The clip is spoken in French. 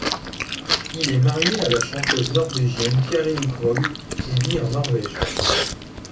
Il est marié à la chanteuse norvégienne Karin Krog et vit en Norvège.